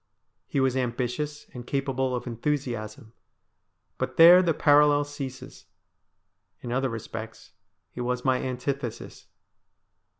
He was ambitious and capable of enthusiasm ; but there the parallel ceases ; in other respects he was my antithesis.